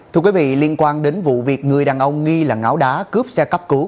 thưa quý vị liên quan đến vụ việc người đàn ông nghi là ngáo đá cướp xe cấp cứu